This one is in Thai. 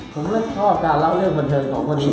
ผมไม่ชอบการเล่าเรื่องบันเทิงของพวกนี้